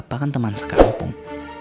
akan teman sekampung